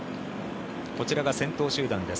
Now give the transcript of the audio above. こちらが先頭集団です。